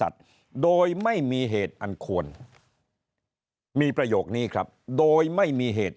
โดยไม่มีเหตุอันควรมีประโยคนี้ครับโดยไม่มีเหตุ